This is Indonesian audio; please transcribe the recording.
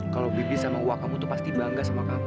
kalau bibi sama uak kamu tuh pasti bangga sama kamu